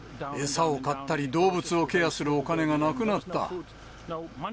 餌を買ったり、動物をケアするお金がなくなった。